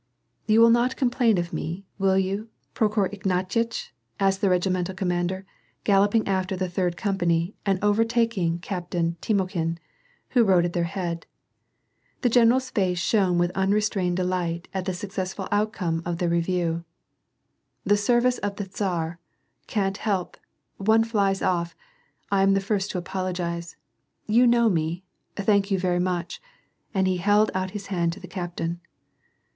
" You will not complain of me, will you, Prokhor Ignatyitch," asked the regimental commander, galloping after the third com pany and overtaking Captain Timokhin, who rode at their head. The generals face shone with unrestrained delight at the suc cessful outcome of the review .—" The service of the/fsar. — Can't help — one flies off — 1 am the first to apologize. You know me — Thank you very much !'' And he held out his hand to the captain.